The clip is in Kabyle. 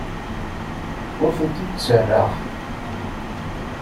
Ur tent-id-ttarraɣ.